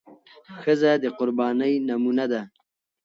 ښځه د قربانۍ نمونه ده.